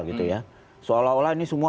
gitu ya seolah olah ini semua